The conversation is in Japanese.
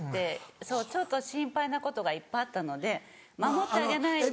ちょっと心配なことがいっぱいあったので守ってあげないと。